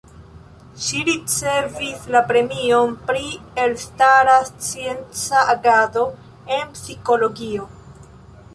Ŝi ricevis la premion pri elstara scienca agado en Psikologio.